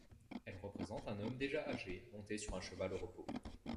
Elle représente un homme déjà âgé monté sur un cheval au repos.